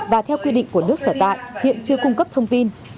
và theo quy định của nước sở tại hiện chưa cung cấp thông tin